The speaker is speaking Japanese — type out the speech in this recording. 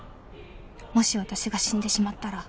「もし私が死んでしまったら」